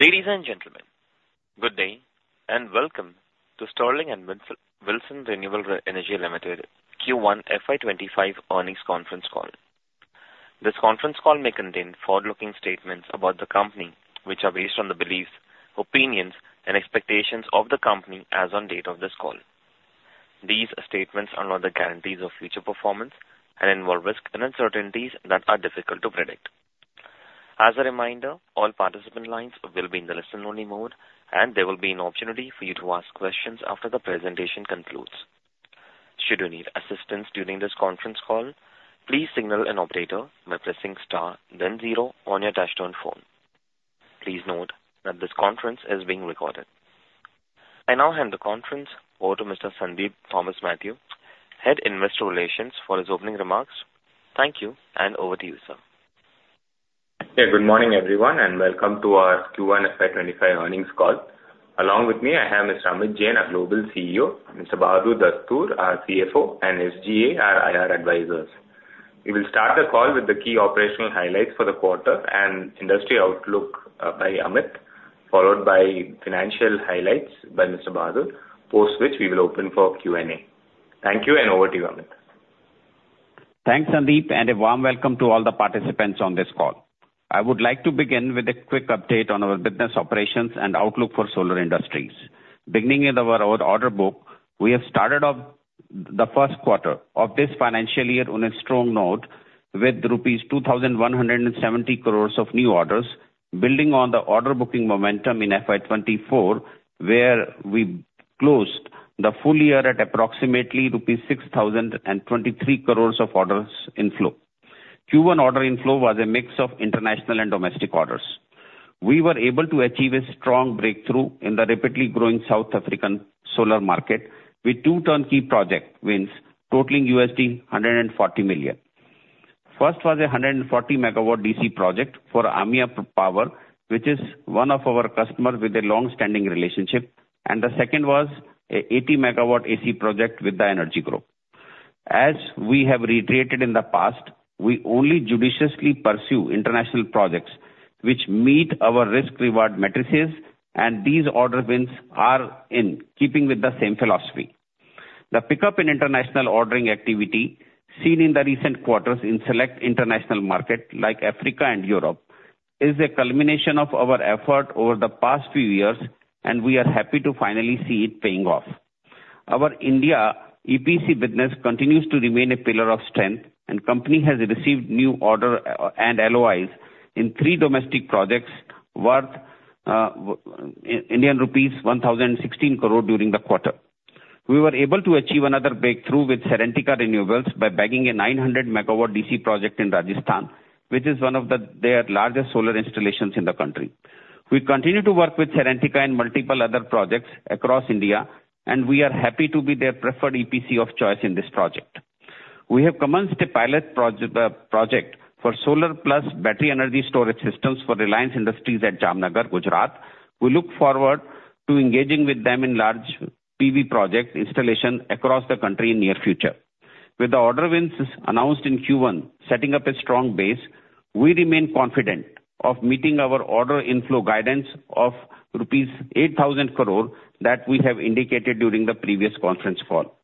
Ladies and gentlemen, good day, and welcome to Sterling and Wilson Renewable Energy Limited Q1 FY 2025 earnings conference call. This conference call may contain forward-looking statements about the company, which are based on the beliefs, opinions, and expectations of the company as on date of this call. These statements are not the guarantees of future performance and involve risks and uncertainties that are difficult to predict. As a reminder, all participant lines will be in the listen-only mode, and there will be an opportunity for you to ask questions after the presentation concludes. Should you need assistance during this conference call, please signal an operator by pressing star then zero on your touchtone phone. Please note that this conference is being recorded. I now hand the conference over to Mr. Sandeep Thomas Mathew, Head of Investor Relations, for his opening remarks. Thank you, and over to you, sir. Hey, good morning, everyone, and welcome to our Q1 FY 2025 earnings call. Along with me, I have Mr. Amit Jain, our Global CEO, Mr. Bahadur Dastoor, our CFO, and SGA, our IR advisors. We will start the call with the key operational highlights for the quarter and industry outlook by Amit, followed by financial highlights by Mr. Bahadur, post which we will open for Q&A. Thank you, and over to you, Amit. Thanks, Sandip, and a warm welcome to all the participants on this call. I would like to begin with a quick update on our business operations and outlook for solar industries. Beginning with our order book, we have started off the first quarter of this financial year on a strong note with rupees 2,170 crores of new orders, building on the order booking momentum in FY 2024, where we closed the full year at approximately rupees 6,023 crores of orders inflow. Q1 order inflow was a mix of international and domestic orders. We were able to achieve a strong breakthrough in the rapidly growing South African solar market with two turnkey project wins totaling $140 million. First was a 140 MW DC project for AMEA Power, which is one of our customers with a long-standing relationship, and the second was an 80 MW AC project with The Energy Group. As we have reiterated in the past, we only judiciously pursue international projects which meet our risk/reward matrices, and these order wins are in keeping with the same philosophy. The pickup in international ordering activity seen in the recent quarters in select international markets like Africa and Europe is a culmination of our effort over the past few years, and we are happy to finally see it paying off. Our India EPC business continues to remain a pillar of strength, and company has received new order and LOIs in three domestic projects worth Indian rupees 1,016 crore during the quarter. We were able to achieve another breakthrough with Serentica Renewables by bagging a 900 MW DC project in Rajasthan, which is one of the, their largest solar installations in the country. We continue to work with Serentica in multiple other projects across India, and we are happy to be their preferred EPC of choice in this project. We have commenced a pilot project for solar plus battery energy storage systems for Reliance Industries at Jamnagar, Gujarat. We look forward to engaging with them in large PV project installation across the country in near future. With the order wins announced in Q1, setting up a strong base, we remain confident of meeting our order inflow guidance of rupees 8,000 crore that we have indicated during the previous conference call.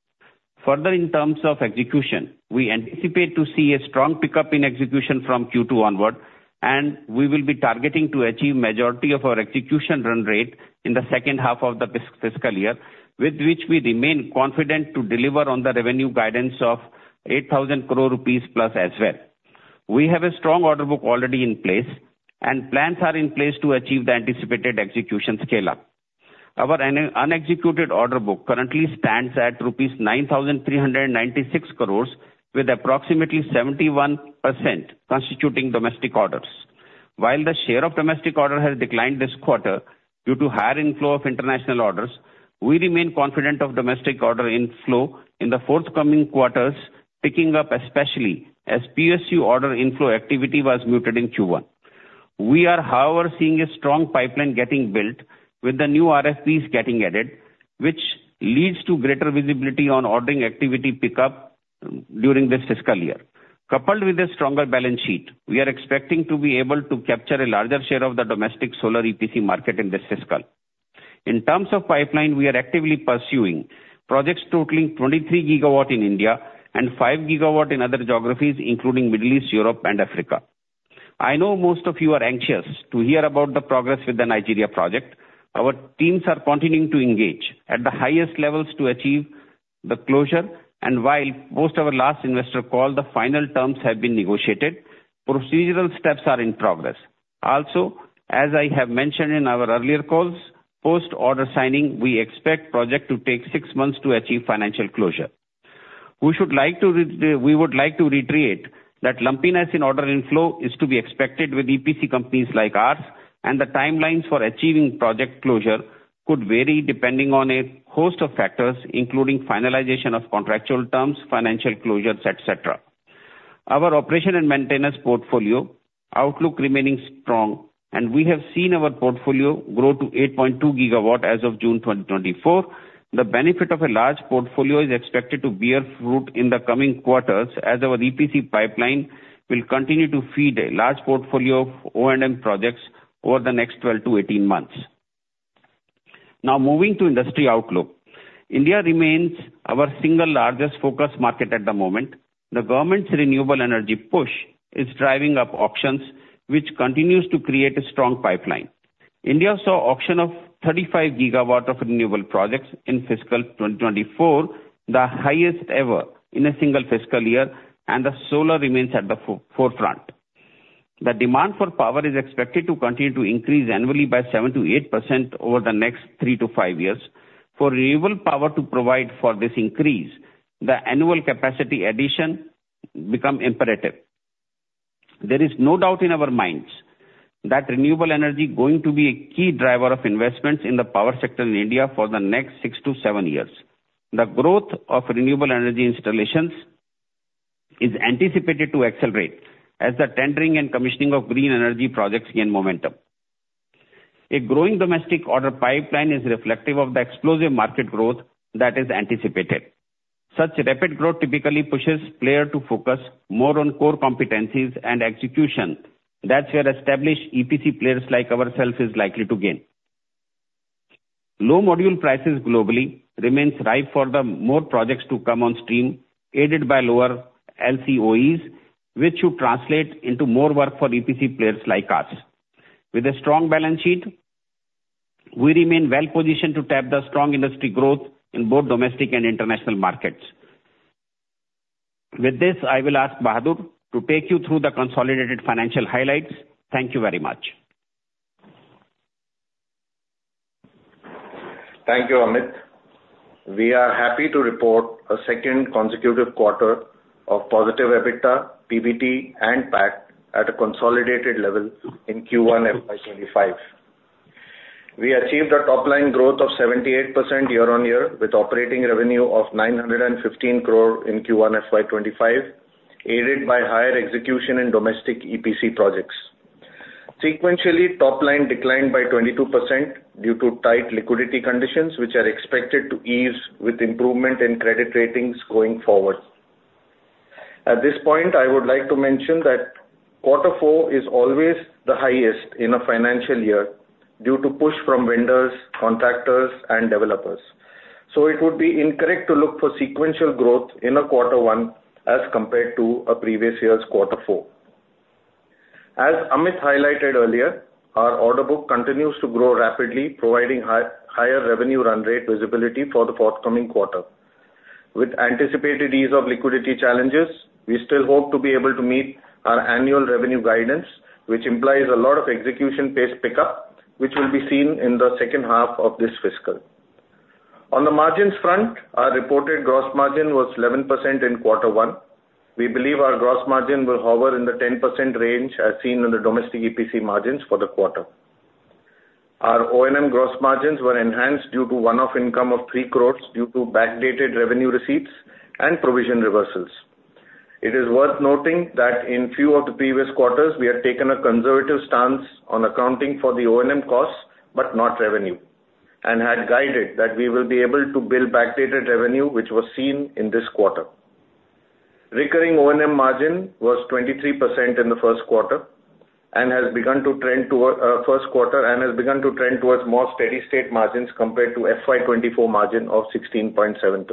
Further, in terms of execution, we anticipate to see a strong pickup in execution from Q2 onward, and we will be targeting to achieve majority of our execution run rate in the second half of the fiscal year, with which we remain confident to deliver on the revenue guidance of 8,000 crore rupees plus as well. We have a strong order book already in place, and plans are in place to achieve the anticipated execution scale-up. Our unexecuted order book currently stands at rupees 9,396 crore, with approximately 71% constituting domestic orders. While the share of domestic order has declined this quarter due to higher inflow of international orders, we remain confident of domestic order inflow in the forthcoming quarters, picking up especially as PSU order inflow activity was muted in Q1. We are, however, seeing a strong pipeline getting built with the new RFPs getting added, which leads to greater visibility on ordering activity pickup during this fiscal year. Coupled with a stronger balance sheet, we are expecting to be able to capture a larger share of the domestic solar EPC market in this fiscal. In terms of pipeline, we are actively pursuing projects totaling 23 GW in India and 5 GW in other geographies, including Middle East, Europe and Africa. I know most of you are anxious to hear about the progress with the Nigeria project. Our teams are continuing to engage at the highest levels to achieve the closure, and while most of our last investor call, the final terms have been negotiated, procedural steps are in progress. Also, as I have mentioned in our earlier calls, post-order signing, we expect project to take six months to achieve financial closure. We would like to reiterate that lumpiness in order inflow is to be expected with EPC companies like ours, and the timelines for achieving project closure could vary depending on a host of factors, including finalization of contractual terms, financial closures, etc. Our operation and maintenance portfolio outlook remaining strong, and we have seen our portfolio grow to 8.2 GW as of June 2024. The benefit of a large portfolio is expected to bear fruit in the coming quarters, as our EPC pipeline will continue to feed a large portfolio of O&M projects over the next 12-18 months. Now moving to industry outlook. India remains our single largest focus market at the moment. The government's renewable energy push is driving up auctions, which continues to create a strong pipeline. India saw auction of 35 GW of renewable projects in fiscal 2024, the highest ever in a single fiscal year, and the solar remains at the forefront. The demand for power is expected to continue to increase annually by 7%-8% over the next 3-5 years. For renewable power to provide for this increase, the annual capacity addition become imperative. There is no doubt in our minds that renewable energy going to be a key driver of investments in the power sector in India for the next 6-7 years. The growth of renewable energy installations is anticipated to accelerate as the tendering and commissioning of green energy projects gain momentum. A growing domestic order pipeline is reflective of the explosive market growth that is anticipated. Such rapid growth typically pushes players to focus more on core competencies and execution. That's where established EPC players like ourselves are likely to gain. Low module prices globally remain ripe for more projects to come on stream, aided by lower LCOEs, which should translate into more work for EPC players like us. With a strong balance sheet, we remain well positioned to tap the strong industry growth in both domestic and international markets. With this, I will ask Bahadur to take you through the consolidated financial highlights. Thank you very much. Thank you, Amit. We are happy to report a second consecutive quarter of positive EBITDA, PBT and PAT at a consolidated level in Q1 FY 2025. We achieved a top line growth of 78% year-on-year, with operating revenue of 915 crore in Q1 FY 2025, aided by higher execution in domestic EPC projects. Sequentially, top line declined by 22% due to tight liquidity conditions, which are expected to ease with improvement in credit ratings going forward. At this point, I would like to mention that quarter four is always the highest in a financial year due to push from vendors, contractors, and developers. So it would be incorrect to look for sequential growth in a quarter one as compared to a previous year's quarter four. As Amit highlighted earlier, our order book continues to grow rapidly, providing higher revenue run rate visibility for the forthcoming quarter. With anticipated ease of liquidity challenges, we still hope to be able to meet our annual revenue guidance, which implies a lot of execution pace pickup, which will be seen in the second half of this fiscal. On the margins front, our reported gross margin was 11% in quarter one. We believe our gross margin will hover in the 10% range, as seen on the domestic EPC margins for the quarter. Our O&M gross margins were enhanced due to one-off income of 3 crore, due to backdated revenue receipts and provision reversals. It is worth noting that in few of the previous quarters, we had taken a conservative stance on accounting for the O&M costs, but not revenue, and had guided that we will be able to bill backdated revenue, which was seen in this quarter. Recurring O&M margin was 23% in the first quarter and has begun to trend towards more steady state margins compared to FY 2024 margin of 16.7%.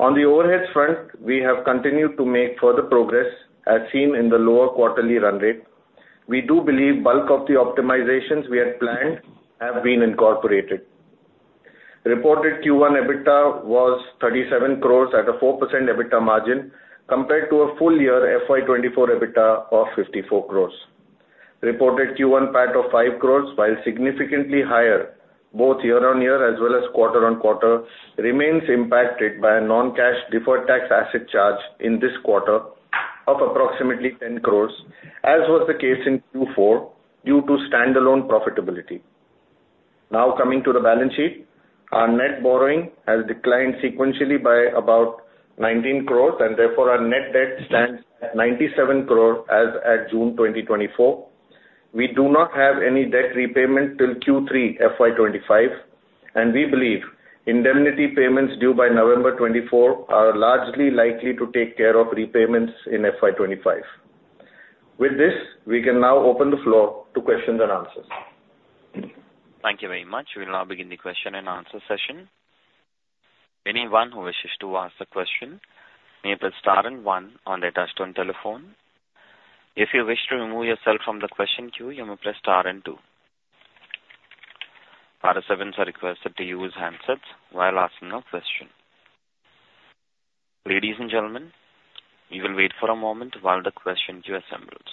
On the overhead front, we have continued to make further progress, as seen in the lower quarterly run rate. We do believe bulk of the optimizations we had planned have been incorporated. Reported Q1 EBITDA was 37 crores at a 4% EBITDA margin, compared to a full year FY 2024 EBITDA of 54 crores. Reported Q1 PAT of 5 crore, while significantly higher both year-over-year as well as quarter-over-quarter, remains impacted by a non-cash deferred tax asset charge in this quarter of approximately 10 crore, as was the case in Q4, due to standalone profitability. Now coming to the balance sheet. Our net borrowing has declined sequentially by about 19 crore, and therefore, our net debt stands at 97 crore as at June 2024. We do not have any debt repayment till Q3 FY 2025, and we believe indemnity payments due by November 2024 are largely likely to take care of repayments in FY 2025. With this, we can now open the floor to questions and answers. Thank you very much. We will now begin the question and answer session. Anyone who wishes to ask a question, may press star and one on their touchtone telephone. If you wish to remove yourself from the question queue, you may press star and two. Participants are requested to use handsets while asking a question. Ladies and gentlemen, we will wait for a moment while the question queue assembles.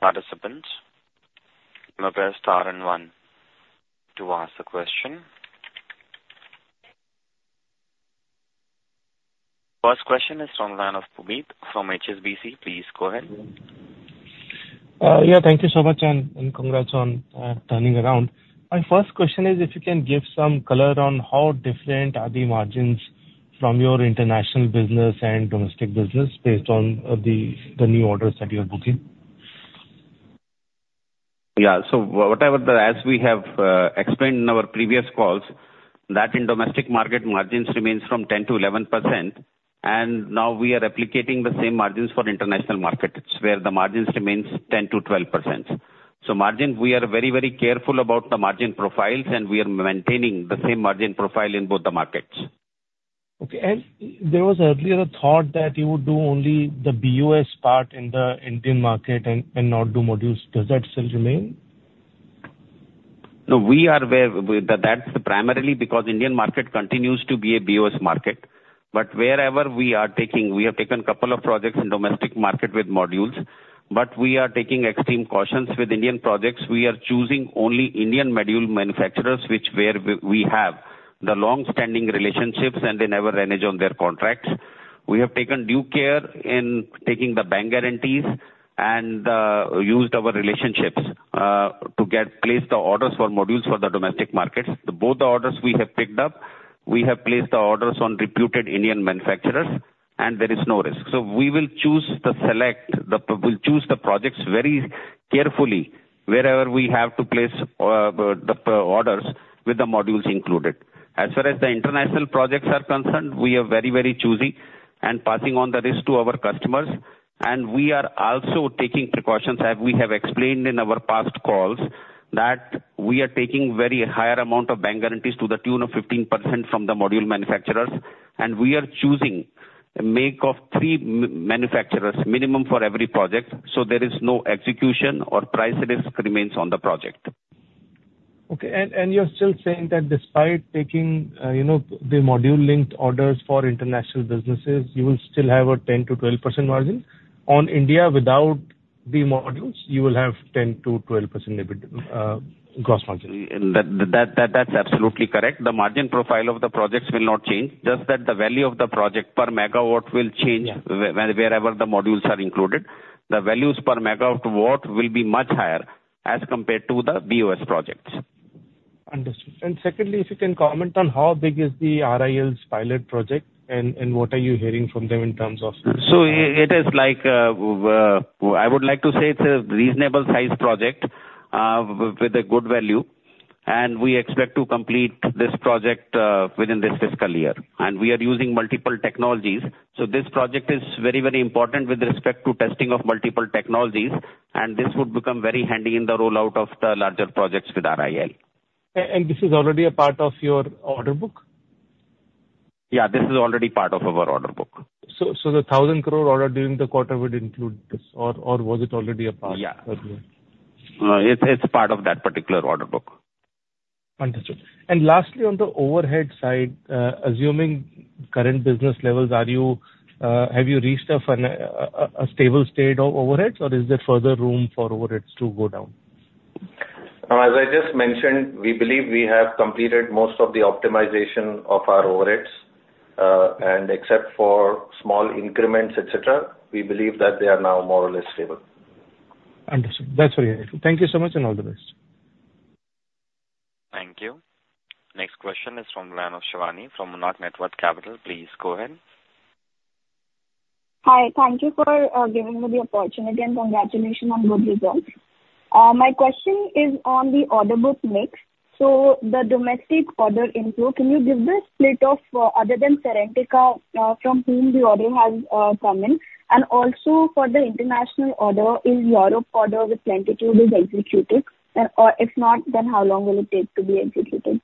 Participants, you may press star and one to ask a question. First question is from the line of Puneet from HSBC. Please go ahead. Yeah, thank you so much, and congrats on turning around. My first question is, if you can give some color on how different are the margins from your international business and domestic business based on the new orders that you are booking? Yeah. So whatever the... As we have explained in our previous calls-... That in domestic market, margins remains from 10%-11%, and now we are replicating the same margins for international markets, where the margins remains 10%-12%. So margin, we are very, very careful about the margin profiles, and we are maintaining the same margin profile in both the markets. Okay. And there was earlier a thought that you would do only the BOS part in the Indian market and not do modules. Does that still remain? No, we are aware with that. That's primarily because Indian market continues to be a BOS market. But wherever we are taking, we have taken couple of projects in domestic market with modules, but we are taking extreme cautions with Indian projects. We are choosing only Indian module manufacturers, which where we have the long-standing relationships, and they never renege on their contracts. We have taken due care in taking the bank guarantees and used our relationships to get place the orders for modules for the domestic markets. The both orders we have picked up, we have placed the orders on reputed Indian manufacturers, and there is no risk. So we will choose the select-- we'll choose the projects very carefully wherever we have to place the orders with the modules included. As far as the international projects are concerned, we are very, very choosy and passing on the risk to our customers. We are also taking precautions, as we have explained in our past calls, that we are taking very higher amount of bank guarantees to the tune of 15% from the module manufacturers, and we are choosing a make of three manufacturers, minimum for every project, so there is no execution or price risk remains on the project. Okay. And, and you're still saying that despite taking, you know, the module linked orders for international businesses, you will still have a 10%-12% margin? On India, without the modules, you will have 10%-12%, gross margin. That's absolutely correct. The margin profile of the projects will not change, just that the value of the project per megawatt will change- Yeah. wherever the modules are included. The values per megawatt will be much higher as compared to the BOS projects. Understood. Secondly, if you can comment on how big is the RIL's pilot project, and what are you hearing from them in terms of- It is like, I would like to say it's a reasonable size project, with a good value, and we expect to complete this project within this fiscal year. We are using multiple technologies. This project is very, very important with respect to testing of multiple technologies, and this would become very handy in the rollout of the larger projects with RIL. And this is already a part of your order book? Yeah, this is already part of our order book. So, the 1,000 crore order during the quarter would include this, or was it already a part? Yeah. Okay. It's part of that particular order book. Understood. Lastly, on the overhead side, assuming current business levels, have you reached a stable state of overheads, or is there further room for overheads to go down? As I just mentioned, we believe we have completed most of the optimization of our overheads, and except for small increments, et cetera, we believe that they are now more or less stable. Understood. That's very helpful. Thank you so much, and all the best. Thank you. Next question is from line of Shiwani from Monarch Networth Capital. Please go ahead. Hi. Thank you for giving me the opportunity, and congratulations on good results. My question is on the order book mix. So the domestic order input, can you give the split of, other than Serentica, from whom the order has come in? And also, for the international order, in Europe order with Plenitude is executed, or if not, then how long will it take to be executed?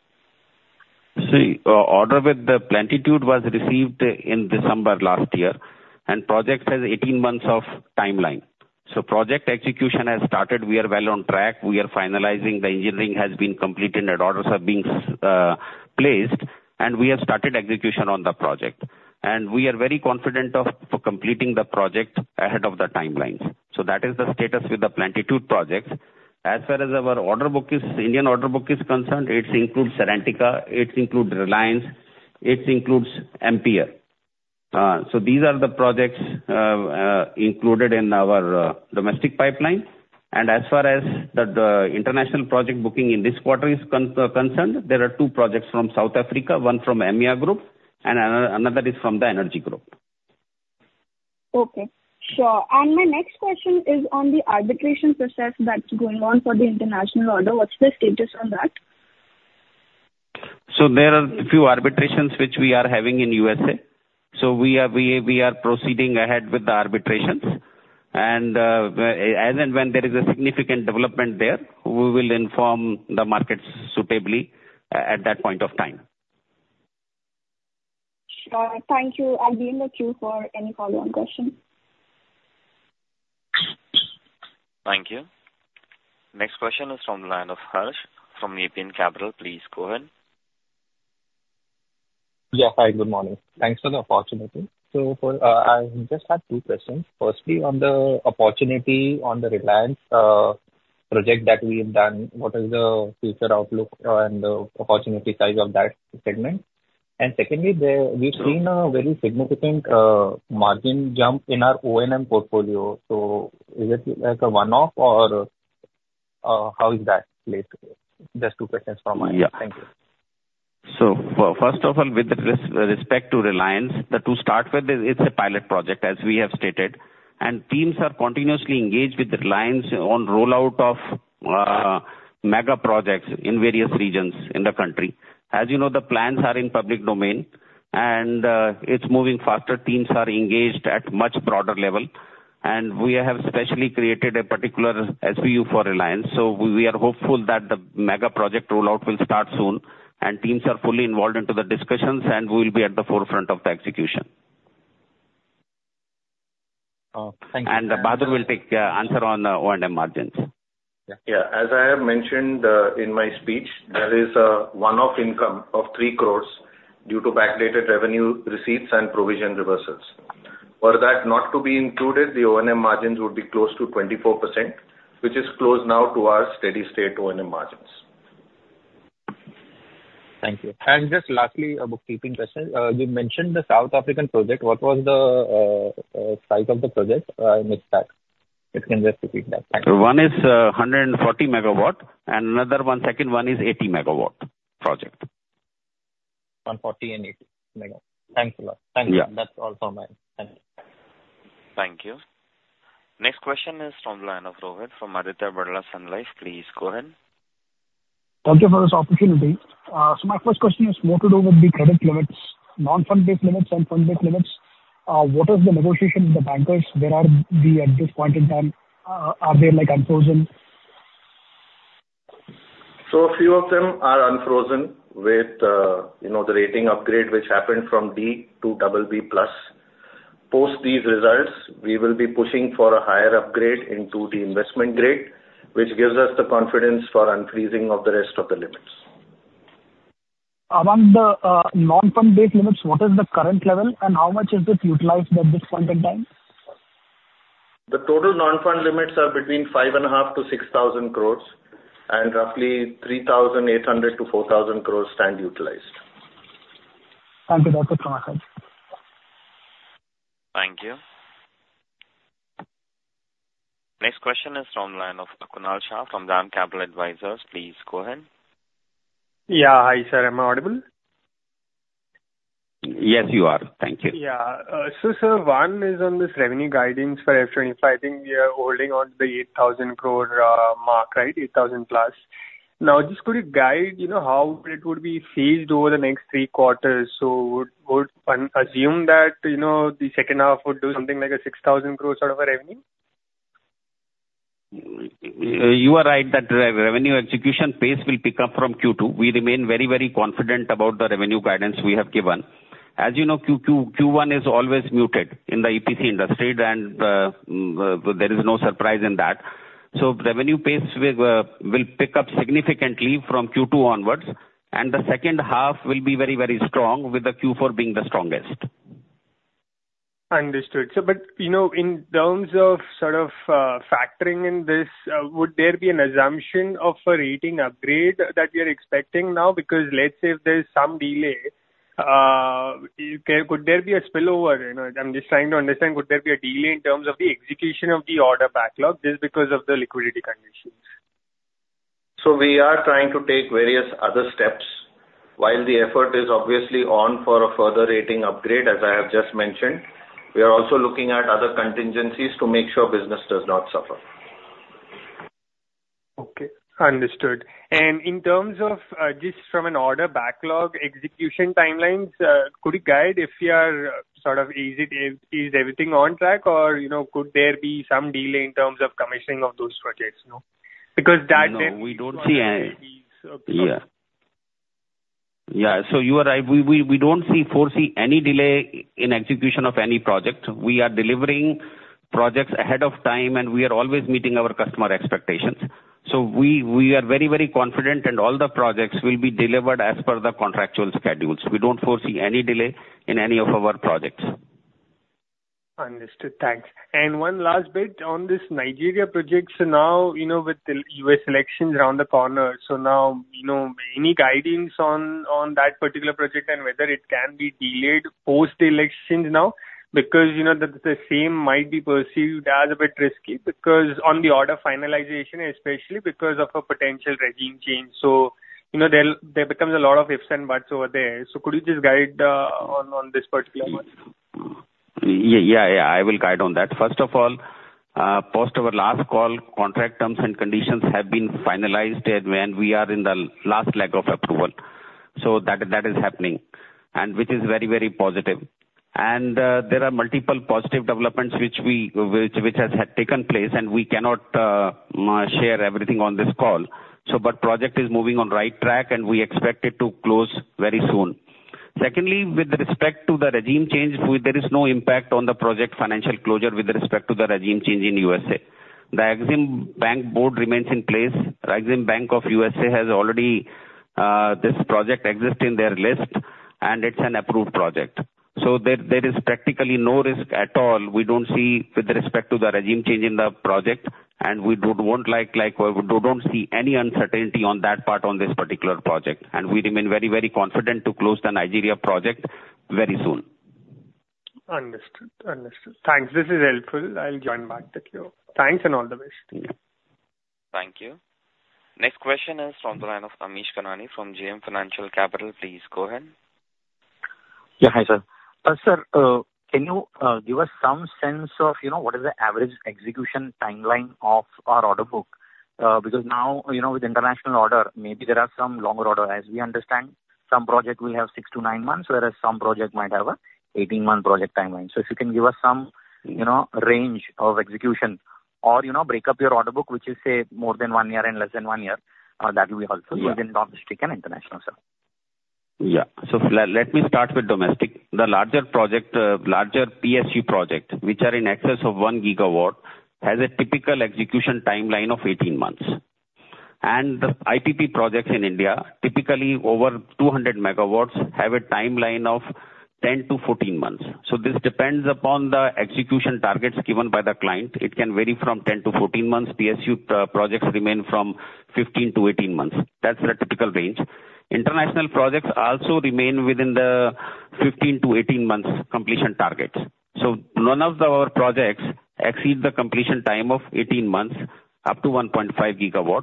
See, order with the Plenitude was received in December last year, and project has 18 months of timeline. So project execution has started. We are well on track. We are finalizing. The engineering has been completed, and orders are being placed, and we have started execution on the project. And we are very confident of completing the project ahead of the timelines. So that is the status with the Plenitude projects. As far as our order book is, Indian order book is concerned, it includes Serentica, it includes Reliance, it includes Ampyr. So these are the projects included in our domestic pipeline. And as far as the international project booking in this quarter is concerned, there are two projects from South Africa, one from AMEA Group and another is from The Energy Group. Okay, sure. My next question is on the arbitration process that's going on for the international order. What's the status on that? There are a few arbitrations which we are having in USA. We are proceeding ahead with the arbitrations. As and when there is a significant development there, we will inform the markets suitably at that point of time. Sure. Thank you. I'll be in the queue for any follow-on question. Thank you. Next question is from the line of Harsh from Nepean Capital. Please go ahead. Yeah. Hi, good morning. Thanks for the opportunity. So for... I just have two questions. Firstly, on the opportunity on the Reliance project that we have done, what is the future outlook and the opportunity size of that segment? And secondly, we've seen a very significant margin jump in our O&M portfolio. So is it, like, a one-off, or how is that placed? Just two questions from my end. Yeah. Thank you. First of all, with respect to Reliance, to start with, it's a pilot project, as we have stated, and teams are continuously engaged with Reliance on rollout of mega projects in various regions in the country. As you know, the plans are in public domain, and it's moving faster. Teams are engaged at much broader level, and we have specially created a particular SBU for Reliance. So we are hopeful that the mega project rollout will start soon. And teams are fully involved into the discussions, and we'll be at the forefront of the execution. Thank you. Bahadur will take answer on O&M margins. Yeah. As I have mentioned, in my speech, there is one-off income of 3 crore due to backdated revenue receipts and provision reversals. For that not to be included, the O&M margins would be close to 24%, which is close now to our steady state O&M margins. Thank you. Just lastly, a bookkeeping question. You mentioned the South African project. What was the size of the project, and its tax? If you can just repeat that? One is 140 MW, and another one, second one, is 80 MW project. 140 and 80 megawatt. Thanks a lot. Yeah. Thank you. That's all from me. Thank you. Thank you. Next question is from the line of Rohit from Aditya Birla Sun Life. Please go ahead. Thank you for this opportunity. So my first question is more to do with the credit limits, non-fund-based limits and fund-based limits. What is the negotiation with the bankers? Where are we at this point in time? Are they, like, unfrozen? So a few of them are unfrozen with, you know, the rating upgrade, which happened from B to BB+. Post these results, we will be pushing for a higher upgrade into the investment grade, which gives us the confidence for unfreezing of the rest of the limits. Among the non-fund-based limits, what is the current level, and how much is it utilized at this point in time? The total non-fund limits are between 5,500 crore-6,000 crore, and roughly 3,800 crore-4,000 crore stand utilized. Thank you. That's it from my side. Thank you. Next question is from the line of Kunal Shah from DAM Capital Advisors. Please go ahead. Yeah. Hi, sir. Am I audible? Yes, you are. Thank you. Yeah. So, sir, one is on this revenue guidance for FY 2025. I think we are holding on to the 8,000 crore mark, right? 8,000 crore plus. Now, just could you guide, you know, how it would be phased over the next three quarters? So would, would one assume that, you know, the second half would do something like an 6,000 crore sort of a revenue? You are right that the revenue execution pace will pick up from Q2. We remain very, very confident about the revenue guidance we have given. As you know, Q1 is always muted in the EPC industry, and there is no surprise in that. So revenue pace will pick up significantly from Q2 onwards, and the second half will be very, very strong, with the Q4 being the strongest. Understood. You know, in terms of sort of factoring in this, would there be an assumption of a rating upgrade that you're expecting now? Because let's say if there is some delay, could there be a spillover? You know, I'm just trying to understand, would there be a delay in terms of the execution of the order backlog, just because of the liquidity conditions? We are trying to take various other steps. While the effort is obviously on for a further rating upgrade, as I have just mentioned, we are also looking at other contingencies to make sure business does not suffer. Okay, understood. And in terms of, just from an order backlog, execution timelines, could you guide if you are sort of... Is it everything on track? Or, you know, could there be some delay in terms of commissioning of those projects, you know? Because that then- No, we don't see any. Yeah. Yeah, so you are right. We don't foresee any delay in execution of any project. We are delivering projects ahead of time, and we are always meeting our customer expectations. So we are very, very confident and all the projects will be delivered as per the contractual schedules. We don't foresee any delay in any of our projects. Understood. Thanks. And one last bit on this Nigeria project. So now, you know, with the U.S. elections around the corner, so now, you know, any guidance on, on that particular project and whether it can be delayed post-elections now? Because, you know, the, the same might be perceived as a bit risky, because on the order finalization, especially because of a potential regime change. So, you know, there, there becomes a lot of ifs and buts over there. So could you just guide on, on this particular one? Yeah, yeah, I will guide on that. First of all, post our last call, contract terms and conditions have been finalized, and we are in the last leg of approval. So that is happening, and which is very, very positive. And there are multiple positive developments which we, which has had taken place, and we cannot share everything on this call. So but project is moving on right track, and we expect it to close very soon. Secondly, with respect to the regime change, we, there is no impact on the project financial closure with respect to the regime change in the U.S. The Exim Bank Board remains in place. Exim Bank of the U.S. has already this project exists in their list, and it's an approved project. So there is practically no risk at all. We don't see, with respect to the regime change in the project, any uncertainty on that part on this particular project, and we remain very, very confident to close the Nigeria project very soon. Understood. Understood. Thanks. This is helpful. I'll join back the queue. Thanks, and all the best to you. Thank you. Next question is from the line of Amish Kanani from JM Financial Capital. Please go ahead.... Yeah. Hi, sir. Can you give us some sense of, you know, what is the average execution timeline of our order book? Because now, you know, with international order, maybe there are some longer order. As we understand, some project will have 6-9 months, whereas some project might have an 18-month project timeline. So if you can give us some, you know, range of execution or, you know, break up your order book, which is, say, more than 1 year and less than 1 year, that will be helpful? Yeah. Within domestic and international, sir. Yeah. So let me start with domestic. The larger project, larger PSU project, which are in excess of 1 GW, has a typical execution timeline of 18 months. And the IPP projects in India, typically over 200 MW, have a timeline of 10-14 months. So this depends upon the execution targets given by the client. It can vary from 10-14 months. PSU projects remain from 15-18 months. That's the typical range. International projects also remain within the 15-18 months completion targets. So none of our projects exceed the completion time of 18 months, up to 1.5 GW,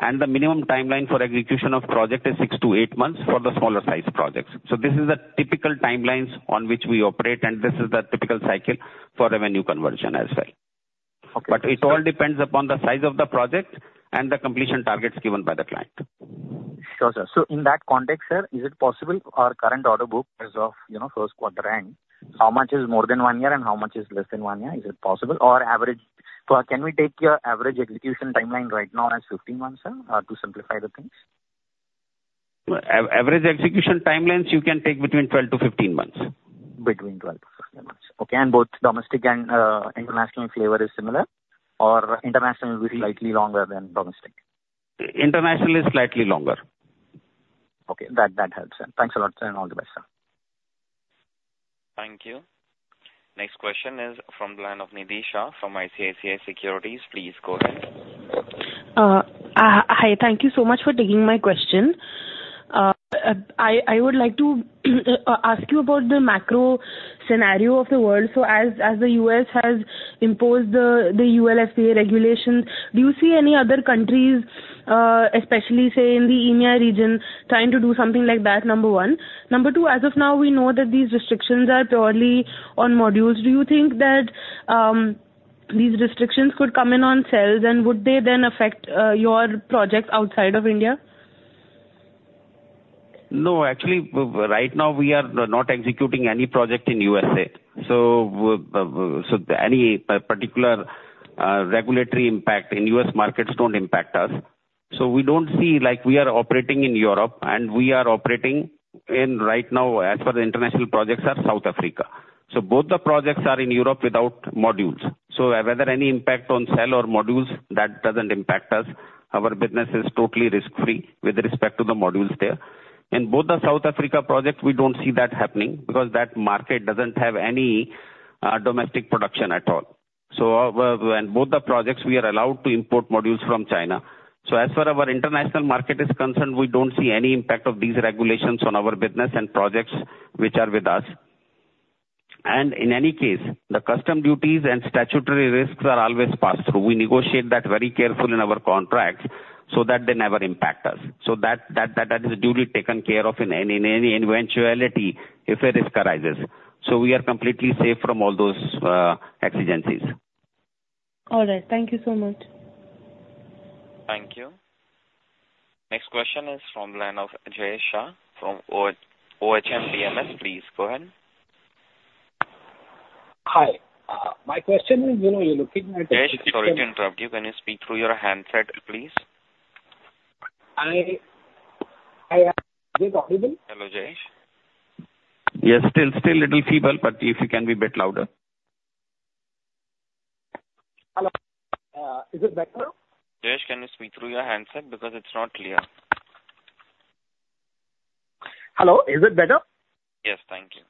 and the minimum timeline for execution of project is 6-8 months for the smaller size projects. So this is the typical timelines on which we operate, and this is the typical cycle for revenue conversion as well. Okay. It all depends upon the size of the project and the completion targets given by the client. Sure, sir. So in that context, sir, is it possible our current order book as of, you know, first quarter end, how much is more than one year and how much is less than one year? Is it possible or average, can we take your average execution timeline right now as 15 months, sir, to simplify the things? Average execution timelines, you can take between 12-15 months. Between 12-15 months. Okay, and both domestic and international flavor is similar, or international will be slightly longer than domestic? International is slightly longer. Okay, that, that helps, sir. Thanks a lot, sir, and all the best, sir. Thank you. Next question is from the line of Nidhi Shah from ICICI Securities. Please go ahead. Hi, thank you so much for taking my question. I would like to ask you about the macro scenario of the world. So as the U.S. has imposed the ULSD regulation, do you see any other countries, especially say, in the EMEA region, trying to do something like that? Number one. Number two, as of now, we know that these restrictions are purely on modules. Do you think that these restrictions could come in on sales, and would they then affect your projects outside of India? No, actually, right now we are not executing any project in USA. So, any particular regulatory impact in U.S. markets don't impact us. So we don't see... Like, we are operating in Europe, and we are operating in, right now, as for the international projects, in South Africa. So both the projects are in Europe without modules. So whether any impact on solar modules, that doesn't impact us. Our business is totally risk-free with respect to the modules there. In both the South Africa projects, we don't see that happening because that market doesn't have any domestic production at all. So, in both the projects, we are allowed to import modules from China. So as far as our international market is concerned, we don't see any impact of these regulations on our business and projects which are with us. In any case, the custom duties and statutory risks are always passed through. We negotiate that very careful in our contracts so that they never impact us. So that is duly taken care of in any eventuality if a risk arises. So we are completely safe from all those contingencies. All right. Thank you so much. Thank you. Next question is from line of Jayesh Shah from OHM PMS. Please, go ahead. Hi, my question is, you know, you're looking at- Jay, sorry to interrupt you. Can you speak through your handset, please? Is it audible? Hello, Jayesh? Yes, still a little feeble, but if you can be a bit louder. Hello. Is it better now? Jayesh, can you speak through your handset? Because it's not clear. Hello, is it better? Yes, thank you.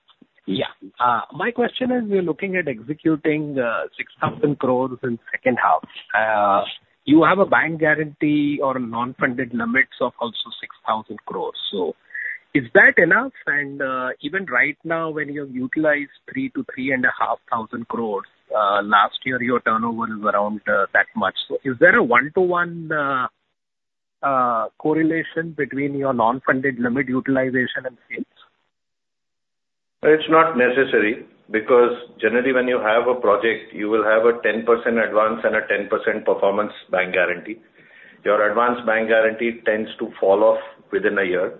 Yeah. My question is, you're looking at executing 6,000 crore in second half. You have a bank guarantee or non-funded limits of also 6,000 crore. So is that enough? And, even right now, when you've utilized 3,000 crore to 3,500 crore, last year, your turnover is around that much. So is there a one-to-one correlation between your non-funded limit utilization and sales? It's not necessary, because generally when you have a project, you will have a 10% advance and a 10% performance bank guarantee. Your advance bank guarantee tends to fall off within a year.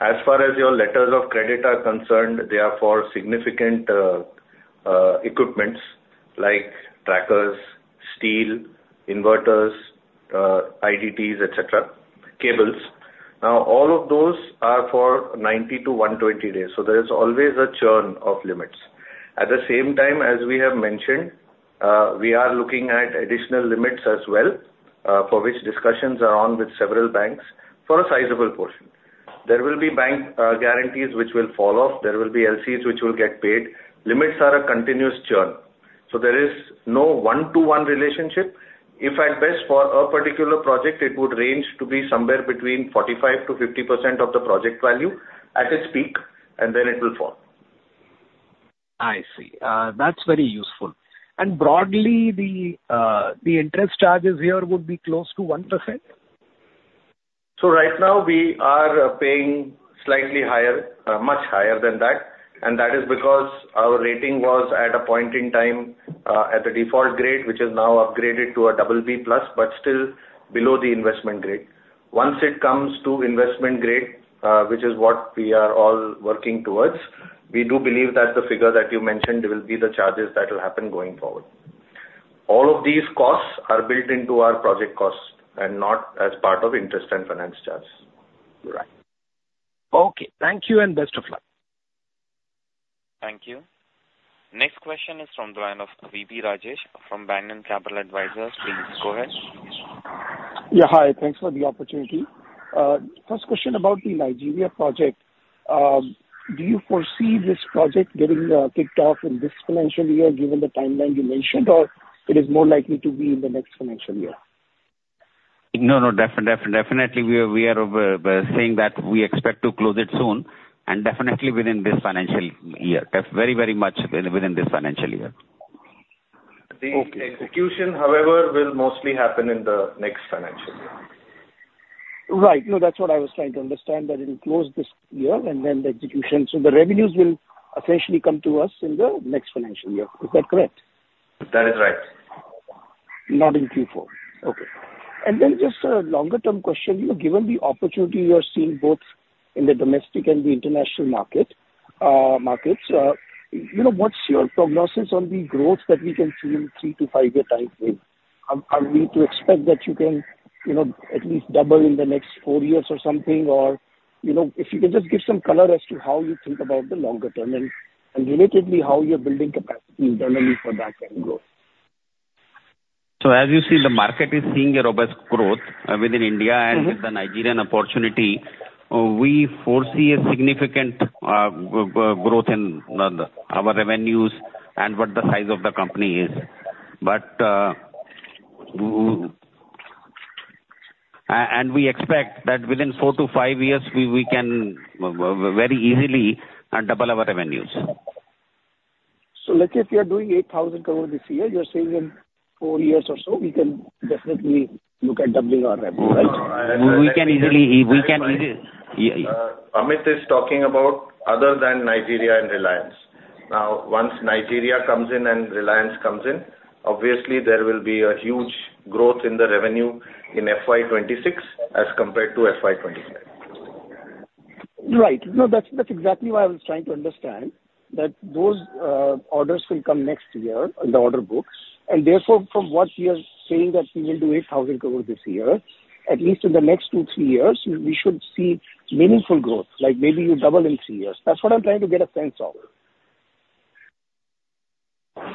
As far as your letters of credit are concerned, they are for significant equipments like trackers, steel, inverters, IDTs, et cetera, cables. Now, all of those are for 90-120 days, so there is always a churn of limits. At the same time, as we have mentioned, we are looking at additional limits as well, for which discussions are on with several banks for a sizable portion. There will be bank guarantees which will fall off. There will be LCs which will get paid. Limits are a continuous churn, so there is no one-to-one relationship. If at best for a particular project, it would range to be somewhere between 45%-50% of the project value at its peak, and then it will fall. I see. That's very useful. Broadly, the interest charges here would be close to 1%?... So right now, we are paying slightly higher, much higher than that, and that is because our rating was at a point in time, at a default grade, which is now upgraded to a double B plus, but still below the investment grade. Once it comes to investment grade, which is what we are all working towards, we do believe that the figure that you mentioned will be the charges that will happen going forward. All of these costs are built into our project costs and not as part of interest and finance charges. Right. Okay, thank you and best of luck. Thank you. Next question is from the line of V. P. Rajesh from Banyan Capital Advisors. Please go ahead. Yeah, hi. Thanks for the opportunity. First question about the Nigeria project. Do you foresee this project getting kicked off in this financial year, given the timeline you mentioned, or it is more likely to be in the next financial year? No, no, definitely, we are saying that we expect to close it soon, and definitely within this financial year. Very, very much within this financial year. Okay. The execution, however, will mostly happen in the next financial year. Right. No, that's what I was trying to understand, that it'll close this year, and then the execution. So the revenues will essentially come to us in the next financial year. Is that correct? That is right. Not in Q4. Okay. And then just a longer-term question. You know, given the opportunity you are seeing both in the domestic and the international market, markets, you know, what's your prognosis on the growth that we can see in 3- to 5-year time frame? Are we to expect that you can, you know, at least double in the next 4 years or something? Or, you know, if you can just give some color as to how you think about the longer term and, and relatively how you're building capacity internally for that kind of growth. As you see, the market is seeing a robust growth within India- Mm-hmm. And with the Nigerian opportunity, we foresee a significant growth in our revenues and what the size of the company is. But and we expect that within four to five years, we can very easily double our revenues. So let's say if you are doing 8,000 crore this year, you're saying in 4 years or so, we can definitely look at doubling our revenue, right? We can easily... Amit is talking about other than Nigeria and Reliance. Now, once Nigeria comes in and Reliance comes in, obviously there will be a huge growth in the revenue in FY 2026 as compared to FY 2025. Right. No, that's, that's exactly what I was trying to understand, that those orders will come next year in the order books, and therefore, from what you are saying, that we will do 8,000 crore this year, at least in the next two, three years, we should see meaningful growth, like maybe you double in three years. That's what I'm trying to get a sense of.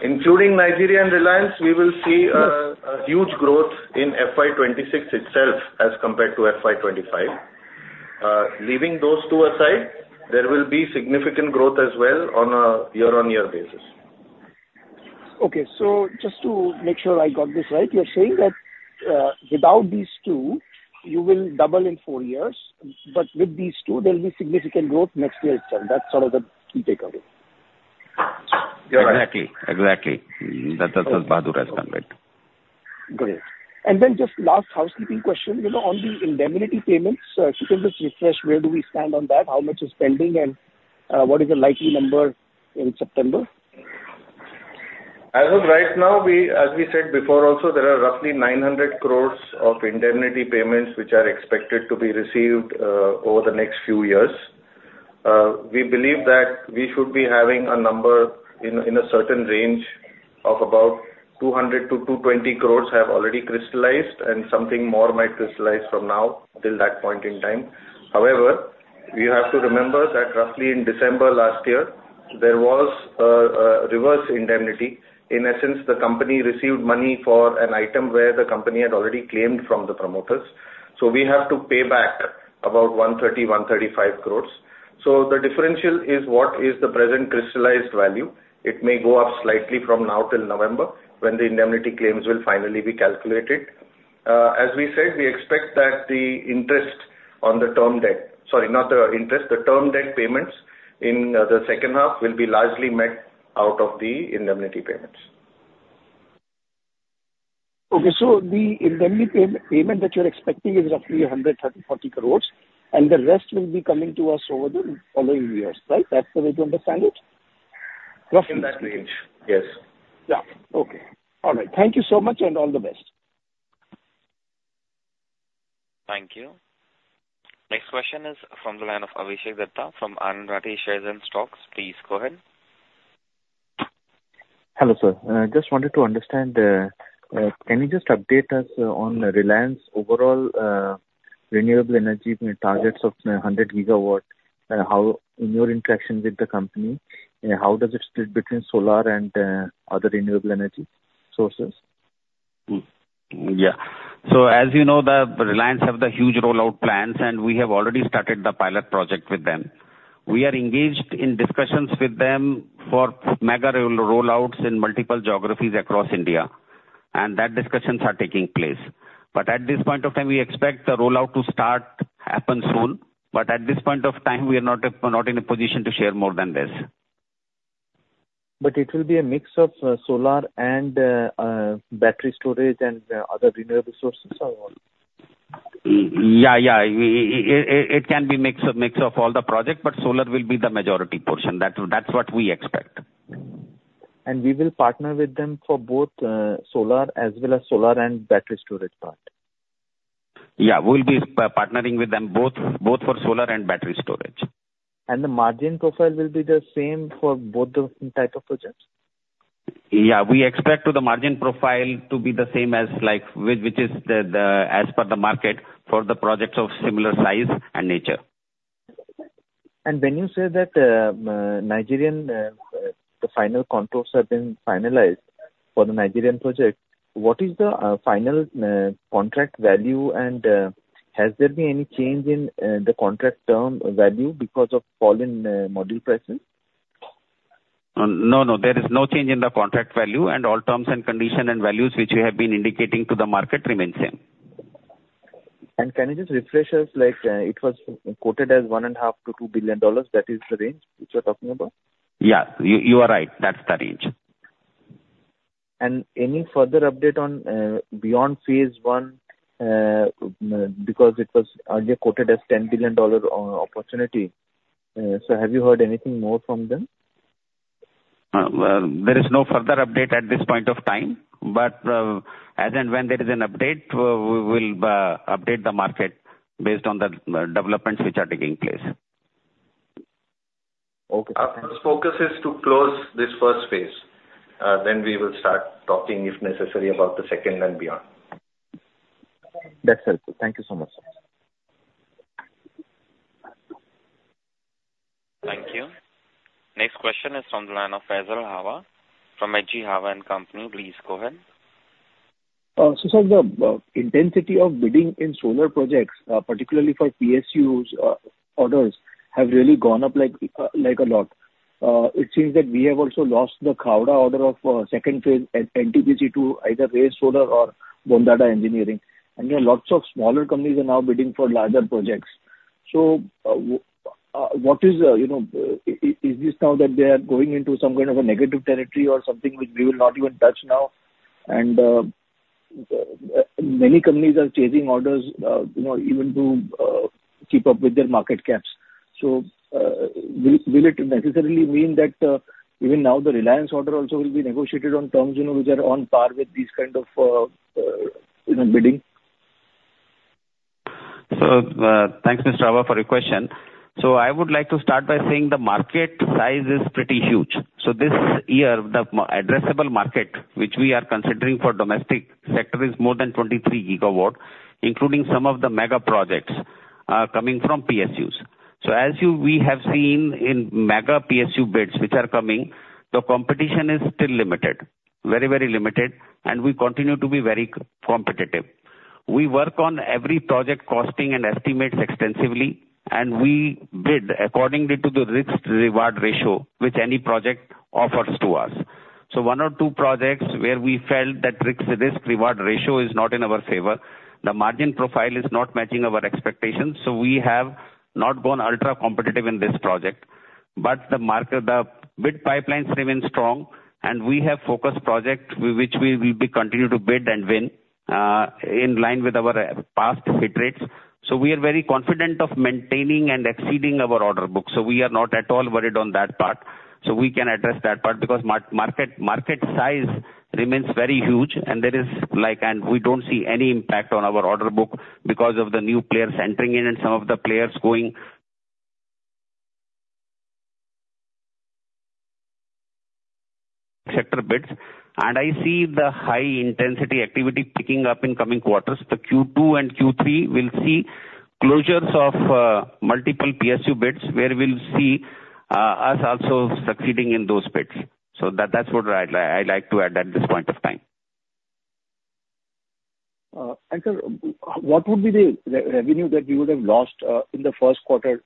Including Nigeria and Reliance, we will see- Yes... a huge growth in FY 2026 itself as compared to FY 2025. Leaving those two aside, there will be significant growth as well on a year-on-year basis. Okay. So just to make sure I got this right, you're saying that, without these two, you will double in four years, but with these two, there will be significant growth next year itself. That's sort of the key takeaway. You're right. Exactly, exactly. That, that's as Bahadur has done it. Great. And then just last housekeeping question. You know, on the indemnity payments, could you just refresh where do we stand on that? How much is pending, and what is the likely number in September? As of right now, we, as we said before also, there are roughly 900 crore of indemnity payments which are expected to be received over the next few years. We believe that we should be having a number in a certain range of about 200-220 crore have already crystallized, and something more might crystallize from now till that point in time. However, we have to remember that roughly in December last year, there was a reverse indemnity. In essence, the company received money for an item where the company had already claimed from the promoters. So we have to pay back about 130-135 crore. So the differential is what is the present crystallized value. It may go up slightly from now till November when the indemnity claims will finally be calculated. As we said, we expect that the interest on the term debt... Sorry, not the interest, the term debt payments in the second half will be largely met out of the indemnity payments. The indemnity payment that you're expecting is roughly 130-140 crores, and the rest will be coming to us over the following years, right? That's the way to understand it? Roughly. In that range, yes. Yeah. Okay. All right. Thank you so much, and all the best. Thank you. Next question is from the line of Avishek Datta from Anand Rathi Share and Stock. Please go ahead. Hello, sir. Just wanted to understand, can you just update us on Reliance's overall renewable energy targets of 100 gigawatt? In your interaction with the company, how does it split between solar and other renewable energy sources? Mm. Yeah. So as you know, the Reliance have the huge rollout plans, and we have already started the pilot project with them. We are engaged in discussions with them for mega rollouts in multiple geographies across India, and that discussions are taking place. But at this point of time, we expect the rollout to start, happen soon, but at this point of time, we are not in a position to share more than this. ...But it will be a mix of solar and battery storage and other renewable sources or what? Yeah, yeah. It can be a mix, a mix of all the project, but solar will be the majority portion. That's, that's what we expect. We will partner with them for both, solar as well as solar and battery storage part? Yeah, we'll be partnering with them both, both for solar and battery storage. The margin profile will be the same for both the type of projects? Yeah, we expect the margin profile to be the same as like, which is as per the market for the projects of similar size and nature. And when you say that the final controls have been finalized for the Nigerian project, what is the final contract value? And has there been any change in the contract term value because of fall in module prices? No, no, there is no change in the contract value, and all terms and condition and values which we have been indicating to the market remain same. Can you just refresh us, like, it was quoted as $1.5 billion-$2 billion, that is the range which you're talking about? Yeah, you, you are right. That's the range. Any further update on beyond phase one? Because it was earlier quoted as $10 billion opportunity. So have you heard anything more from them? Well, there is no further update at this point of time, but, as and when there is an update, we will update the market based on the developments which are taking place. Okay. Our focus is to close this first phase, then we will start talking, if necessary, about the second and beyond. That's helpful. Thank you so much, sir. Thank you. Next question is from the line of Faisal Hawa, from H.G. Hawa and Company. Please go ahead. So sir, the intensity of bidding in solar projects, particularly for PSUs orders, have really gone up like, like a lot. It seems that we have also lost the Khavda order of second phase NTPC to either Rays Solar or Bondada Engineering. There are lots of smaller companies are now bidding for larger projects. So, what is, you know, is this now that they are going into some kind of a negative territory or something which we will not even touch now? Many companies are changing orders, you know, even to keep up with their market caps. So, will it necessarily mean that even now the Reliance order also will be negotiated on terms, you know, which are on par with these kind of, you know, bidding? So, thanks, Mr. Hawa, for your question. So I would like to start by saying the market size is pretty huge. So this year, the addressable market, which we are considering for domestic sector, is more than 23 GW, including some of the mega projects, coming from PSUs. So as you—we have seen in mega PSU bids which are coming, the competition is still limited. Very, very limited, and we continue to be very competitive. We work on every project costing and estimates extensively, and we bid accordingly to the risk to reward ratio which any project offers to us. So one or two projects where we felt that risk, risk reward ratio is not in our favor, the margin profile is not matching our expectations, so we have not gone ultra competitive in this project. But the market, the bid pipelines remain strong, and we have focused projects which we will be continue to bid and win, in line with our, past hit rates. So we are very confident of maintaining and exceeding our order book, so we are not at all worried on that part. So we can address that part because market, market size remains very huge and there is like... And we don't see any impact on our order book because of the new players entering in and some of the players going... Sector bids, and I see the high intensity activity picking up in coming quarters. The Q2 and Q3 will see closures of, multiple PSU bids, where we'll see, us also succeeding in those bids. So that, that's what I'd I'd like to add at this point of time. And sir, what would be the revenue that you would have lost in the first quarter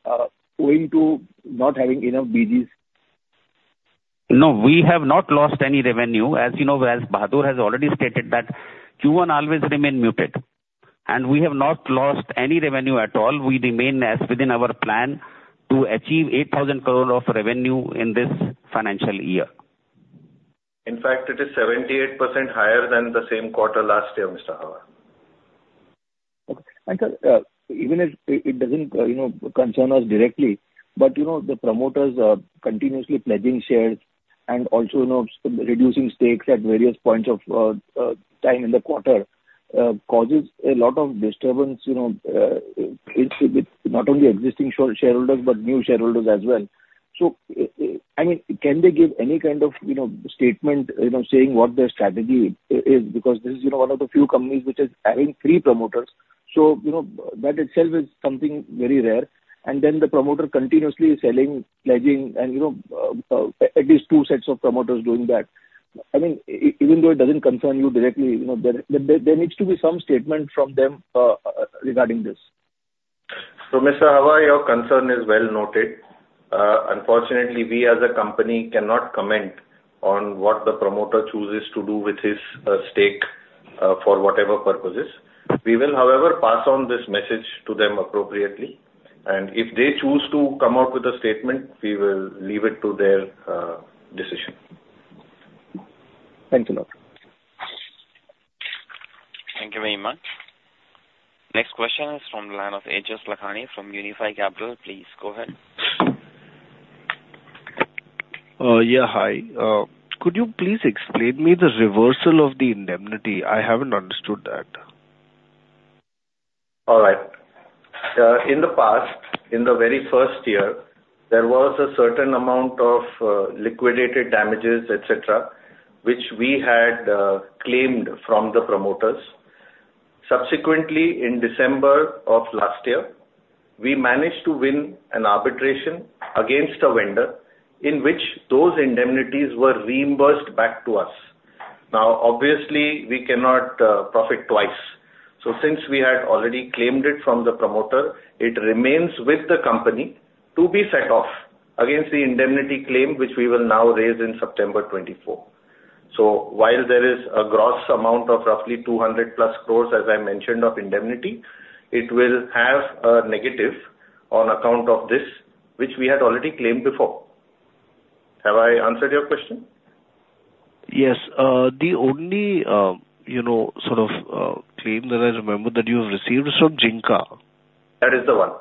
owing to not having enough BDs? No, we have not lost any revenue. As you know, as Bahadur has already stated, that Q1 always remain muted, and we have not lost any revenue at all. We remain as within our plan to achieve 8,000 crore of revenue in this financial year. In fact, it is 78% higher than the same quarter last year, Mr. Hawa. Okay. And sir, even if it doesn't, you know, concern us directly, but, you know, the promoters are continuously pledging shares and also, you know, reducing stakes at various points of time in the quarter causes a lot of disturbance, you know, with not only existing shareholders, but new shareholders as well. So, I mean, can they give any kind of, you know, statement, you know, saying what their strategy is? Because this is, you know, one of the few companies which is having three promoters, so, you know, that itself is something very rare. And then the promoter continuously selling, pledging, and, you know, at least two sets of promoters doing that. I mean, even though it doesn't concern you directly, you know, there needs to be some statement from them regarding this. So, Mr. Hawa, your concern is well noted. Unfortunately, we as a company cannot comment on what the promoter chooses to do with his stake, for whatever purposes. We will, however, pass on this message to them appropriately. ...And if they choose to come out with a statement, we will leave it to their decision. Thank you, sir. Thank you very much. Next question is from the line of Aejas Lakhani from Unifi Capital. Please go ahead. Yeah, hi. Could you please explain me the reversal of the indemnity? I haven't understood that. All right. In the past, in the very first year, there was a certain amount of liquidated damages, et cetera, which we had claimed from the promoters. Subsequently, in December of last year, we managed to win an arbitration against a vendor, in which those indemnities were reimbursed back to us. Now, obviously, we cannot profit twice. So since we had already claimed it from the promoter, it remains with the company to be set off against the indemnity claim, which we will now raise in September 2024. So while there is a gross amount of roughly 200+ crores, as I mentioned, of indemnity, it will have a negative on account of this, which we had already claimed before. Have I answered your question? Yes. The only, you know, sort of, claim that I remember that you have received is from Jinko. That is the one.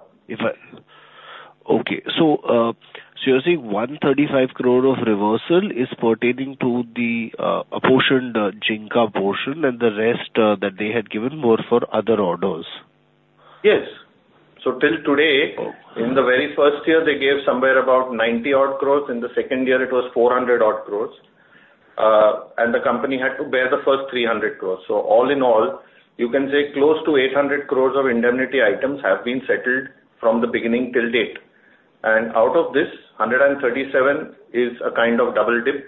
Okay, so, so you're saying 135 crore of reversal is pertaining to the apportioned Jinko portion, and the rest that they had given were for other orders? Yes. So till today- Okay. In the very first year, they gave somewhere about 90 crores; in the second year, it was 400 crores. And the company had to bear the first 300 crores. So all in all, you can say close to 800 crores of indemnity items have been settled from the beginning till date. And out of this, 137 is a kind of double dip,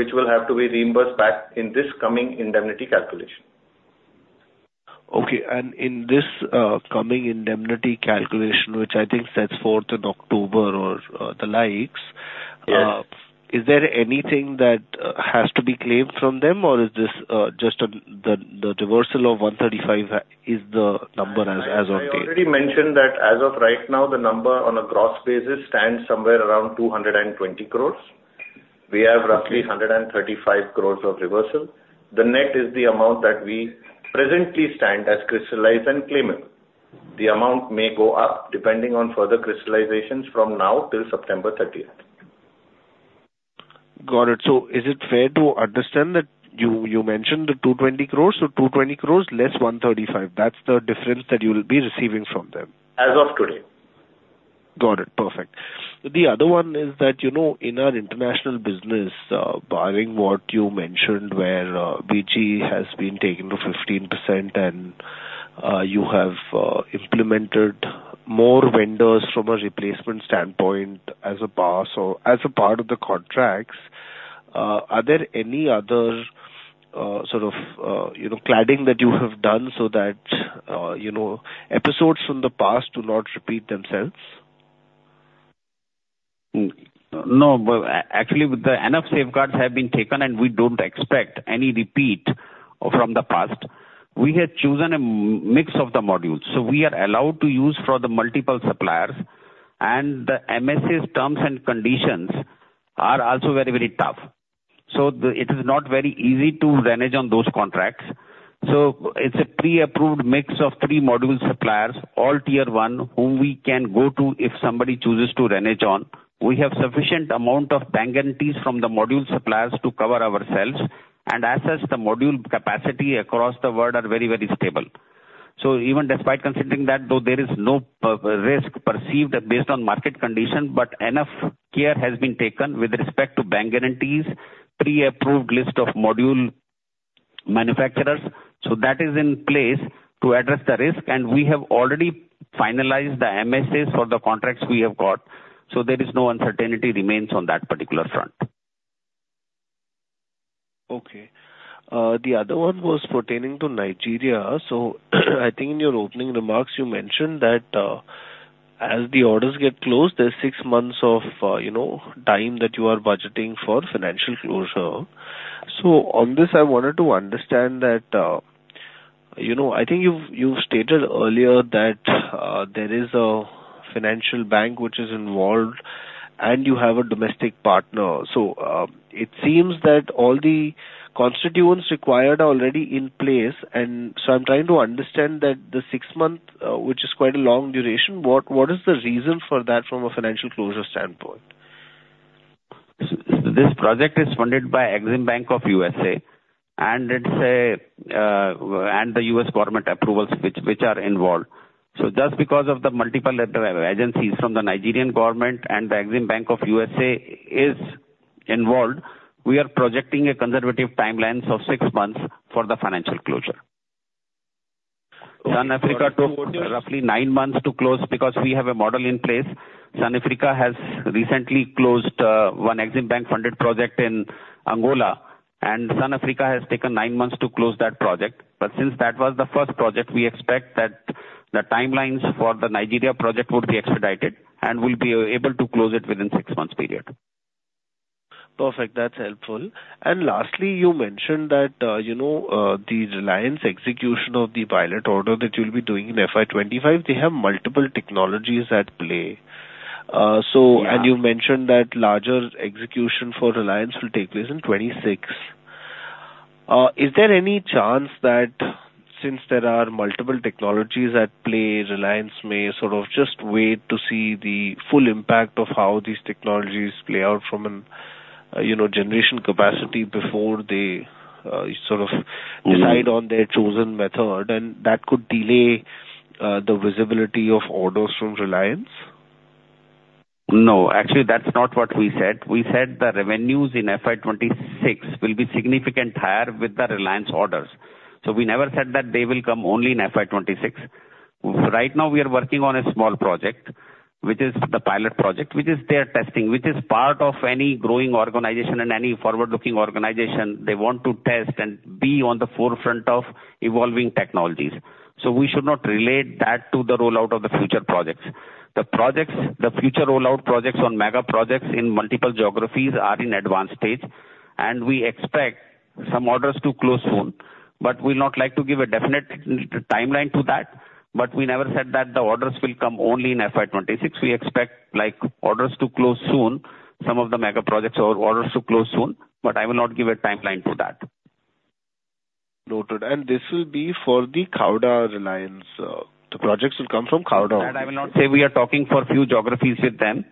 which will have to be reimbursed back in this coming indemnity calculation. Okay. In this coming indemnity calculation, which I think sets forth in October or the likes- Yes. Is there anything that has to be claimed from them, or is this just the reversal of 135 is the number as of date? I already mentioned that as of right now, the number on a gross basis stands somewhere around 220 crore. Okay. We have roughly 135 crore of reversal. The net is the amount that we presently stand as crystallized and claiming. The amount may go up, depending on further crystallizations from now till September thirtieth. Got it. So is it fair to understand that you, you mentioned the 220 crore, so 220 crore less 135 crore, that's the difference that you will be receiving from them? As of today. Got it. Perfect. The other one is that, you know, in our international business, barring what you mentioned, where BG has been taken to 15% and you have implemented more vendors from a replacement standpoint as a bar, so as a part of the contracts, are there any other sort of, you know, cladding that you have done so that, you know, episodes from the past do not repeat themselves? No, but actually, enough safeguards have been taken, and we don't expect any repeat from the past. We had chosen a mix of the modules, so we are allowed to use for the multiple suppliers, and the MSA's terms and conditions are also very, very tough. So it is not very easy to renege on those contracts. So it's a pre-approved mix of three module suppliers, all tier one, whom we can go to if somebody chooses to renege on. We have sufficient amount of bank guarantees from the module suppliers to cover ourselves, and as such, the module capacity across the world are very, very stable. So even despite considering that, though, there is no risk perceived based on market condition, but enough care has been taken with respect to bank guarantees, pre-approved list of module manufacturers, so that is in place to address the risk, and we have already finalized the MSAs for the contracts we have got, so there is no uncertainty remains on that particular front. Okay. The other one was pertaining to Nigeria. So, I think in your opening remarks, you mentioned that, as the orders get closed, there's six months of, you know, time that you are budgeting for financial closure. So on this, I wanted to understand that, you know, I think you've, you've stated earlier that, there is a financial bank which is involved, and you have a domestic partner. So, it seems that all the constituents required are already in place, and so I'm trying to understand that the six months, which is quite a long duration, what, what is the reason for that from a financial closure standpoint? This project is funded by Exim Bank of the U.S.A., and it's a, and the U.S. government approvals which are involved. So just because of the multiple agencies from the Nigerian government and the Exim Bank of the U.S.A. is involved, we are projecting a conservative timelines of six months for the financial closure. Okay. South Africa took roughly 9 months to close because we have a model in place. South Africa has recently closed 1 Exim Bank-funded project in Angola, and South Africa has taken 9 months to close that project. But since that was the first project, we expect that the timelines for the Nigeria project would be expedited, and we'll be able to close it within 6 months period. ...Perfect, that's helpful. And lastly, you mentioned that, you know, the Reliance execution of the pilot order that you'll be doing in FY 2025, they have multiple technologies at play. So- Yeah. You mentioned that larger execution for Reliance will take place in 2026. Is there any chance that since there are multiple technologies at play, Reliance may sort of just wait to see the full impact of how these technologies play out from an, you know, generation capacity before they sort of- Mm. -decide on their chosen method, and that could delay, the visibility of orders from Reliance? No, actually, that's not what we said. We said the revenues in FY 2026 will be significantly higher with the Reliance orders. So we never said that they will come only in FY 2026. Right now, we are working on a small project, which is the pilot project, which is their testing, which is part of any growing organization and any forward-looking organization. They want to test and be on the forefront of evolving technologies. So we should not relate that to the rollout of the future projects. The projects, the future rollout projects on mega projects in multiple geographies are in advanced stage, and we expect some orders to close soon. But we'll not like to give a definite timeline to that. But we never said that the orders will come only in FY 2026. We expect, like, orders to close soon, some of the mega projects or orders to close soon, but I will not give a timeline for that. Noted. This will be for the Khavda Reliance, the projects will come from Khavda- I will not say we are talking for a few geographies with them,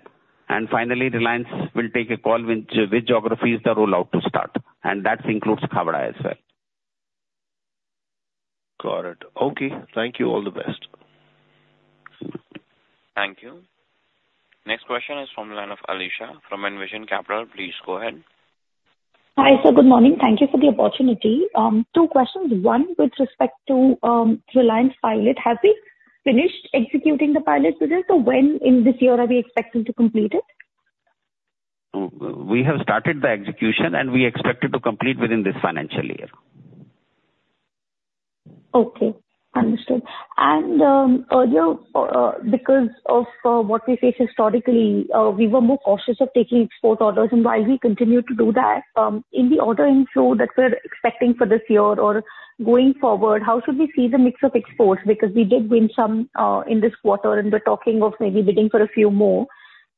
and finally, Reliance will take a call which geographies the rollout to start, and that includes Khavda as well. Got it. Okay. Thank you. All the best. Thank you. Next question is from the line of Alisha from Envision Capital. Please go ahead. Hi, sir. Good morning. Thank you for the opportunity. Two questions. One, with respect to, Reliance pilot, have we finished executing the pilot project, or when in this year are we expected to complete it? We have started the execution, and we expect it to complete within this financial year. Okay, understood. And earlier, because of what we faced historically, we were more cautious of taking export orders, and while we continue to do that, in the order inflow that we're expecting for this year or going forward, how should we see the mix of exports? Because we did win some in this quarter, and we're talking of maybe bidding for a few more.